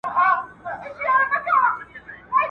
د خيرات په ورځ د يتيم پزه ويني سي.